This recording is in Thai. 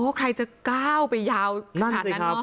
ใครจะก้าวไปยาวขนาดนั้นเนอะ